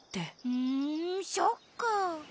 ふんそっか。